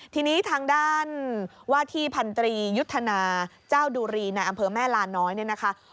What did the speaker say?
ทีนี้ทางด้านว่าที่พันตรียุทธนาเจ้าดุรีในอำเภอแม่ลาน้อยเนี่ยนะคะ